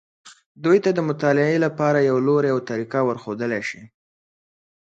دوی ته د مطالعې لپاره یو لوری او طریقه ورښودلی شي.